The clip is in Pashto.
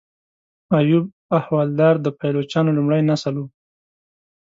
ایوب احوالدار د پایلوچانو لومړی نسل و.